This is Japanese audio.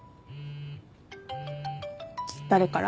誰から？